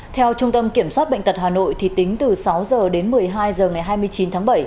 theo trung tâm kiểm soát bệnh tật hà nội tính từ sáu h đến một mươi hai h ngày hai mươi chín tháng bảy